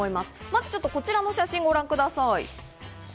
まずこちらの写真をご覧ください。